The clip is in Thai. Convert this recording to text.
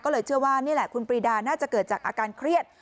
ก็เลยเชื่อว่านี่แหละคุณปรีดาน่าจะเกิดจากอาการเครียด